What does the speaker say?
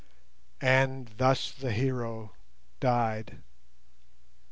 And thus the hero died.